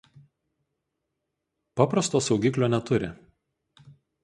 Paprasto saugiklio neturi.